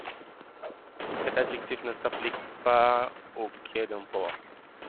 Cet adjectif ne s'applique pas au quai d'un port.